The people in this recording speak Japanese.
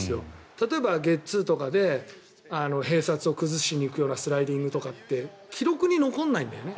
例えばゲッツーとかで併殺を崩しに行くようなスライディングとかって記録に残らないんだよね。